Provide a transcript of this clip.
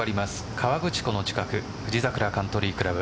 河口湖の近く富士桜カントリー倶楽部。